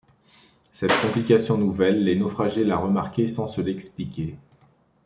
Cette complication nouvelle, les naufragés la remarquaient sans se l’expliquer.